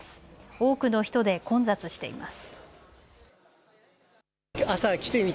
多くの人で混雑しています。